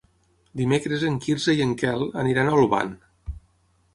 Dimecres en Quirze i en Quel aniran a Olvan.